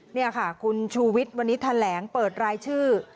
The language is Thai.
นี่ค่ะคุณชูวิทย์วันนี้แถลงเปิดรายชื่อ